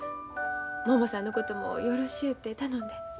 ももさんのこともよろしゅうて頼んで。